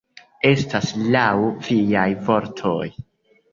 Estas laŭ viaj vortoj.